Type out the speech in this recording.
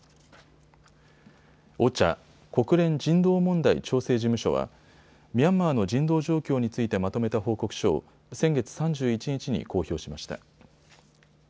ＯＣＨＡ・国連人道問題調整事務所はミャンマーの人道状況についてまとめた報告書を先月３１日に公表しました。